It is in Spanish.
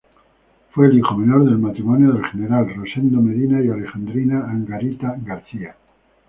Fue el hijo menor del matrimonio del General Rosendo Medina y Alejandrina Angarita García.